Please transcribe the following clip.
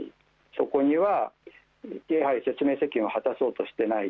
そこには、説明責任を果たそうとしていない。